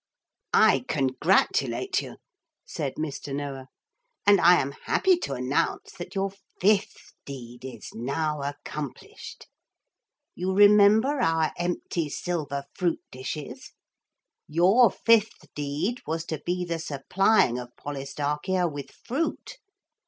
'I congratulate you,' said Mr. Noah, 'and I am happy to announce that your fifth deed is now accomplished. You remember our empty silver fruit dishes? Your fifth deed was to be the supplying of Polistarchia with fruit.